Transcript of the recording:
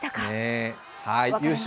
優勝